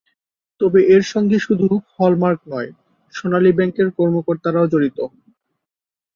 তবে এর সঙ্গে শুধু হল মার্ক নয়, সোনালী ব্যাংকের কর্মকর্তারাও জড়িত।